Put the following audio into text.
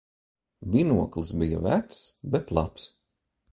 Binoklis bija vecs, bet labs.